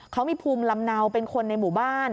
เขามีภูมิลำเนาเป็นคนในหมู่บ้าน